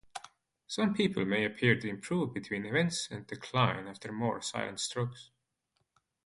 Some people may appear to improve between events and decline after more silent strokes.